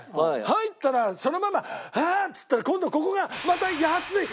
入ったらそのまま「はあ」っつったら今度はここがまた「熱い！